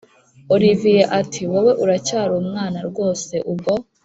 olivier ati”wowe uracyari umwana rwose ubwo